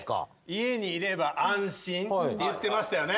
家にいれば安心って言ってましたよね？